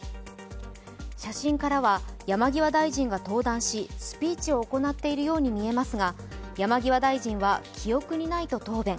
写真からは山際大臣が登壇しスピーチを行っているように見えますが山際大臣は記憶にないと答弁。